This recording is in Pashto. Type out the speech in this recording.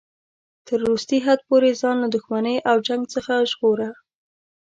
تر وروستي حد پورې ځان له دښمنۍ او جنګ څخه ژغوره.